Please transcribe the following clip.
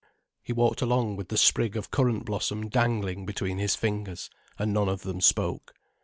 He walked along with the sprig of currant blossom dangling between his fingers, and none of them spoke.